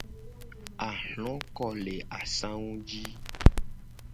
Ahloko le asangu a ji.